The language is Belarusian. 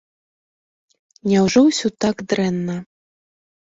Няўжо ўсё так дрэнна?